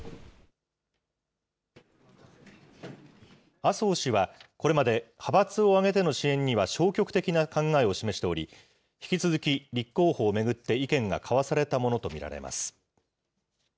麻生氏は、これまで派閥を挙げての支援には消極的な考えを示しており、引き続き立候補を巡って意見が交わされたものと見られます。